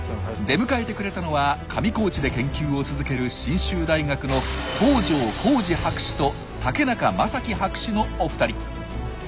出迎えてくれたのは上高地で研究を続ける信州大学の東城幸治博士と竹中將起博士のお二人。